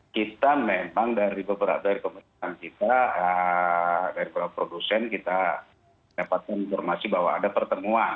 kita memang dari beberapa dari pemerintahan kita dari beberapa produsen kita dapatkan informasi bahwa ada pertemuan